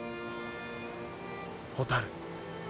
蛍。